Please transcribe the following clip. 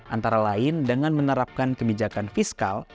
antara lain dengan menerapkan kebijakan fiskal